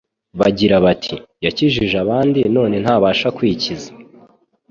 bagira bati : "Yakijije abandi none ntabasha kwikiza.-